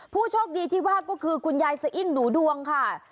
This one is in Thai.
ผู้โชคดีที่ว่าก็คือคุณยายสะอิ้งหนูดวงค่ะ